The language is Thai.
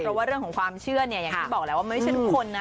เพราะว่าเรื่องของความเชื่อเนี่ยอย่างที่บอกแล้วว่าไม่ใช่ทุกคนนะ